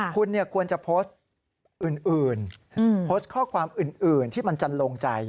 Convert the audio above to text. คุณควรจะโพสต์อื่นโพสต์ข้อความอื่นที่มันจันลงใจ